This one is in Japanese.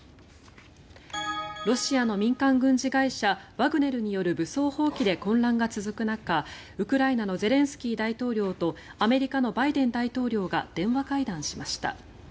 ロシアの民間軍事会社ワグネルによる武装蜂起で混乱が続く中ウクライナのゼレンスキー大統領とアメリカのバイデン大統領が電話会談しました。